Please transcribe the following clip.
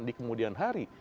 di kemudian hari